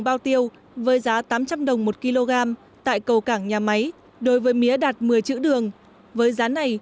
bao tiêu với giá tám trăm linh đồng một kg tại cầu cảng nhà máy đối với mía đạt một mươi chữ đường với giá này